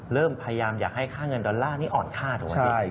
เริ่มพยายามอยากให้ค่าเงินดอลลาร์นี้อ่อนค่าทุกวันนี้